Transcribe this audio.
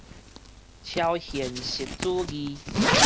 超現實主義